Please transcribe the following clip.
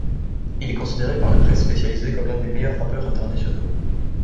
Il est considéré par la presse spécialisée comme l'un des meilleurs rappeurs internationaux.